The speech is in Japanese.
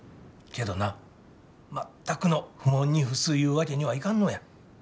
けどな全くの不問に付すいうわけにはいかんのや。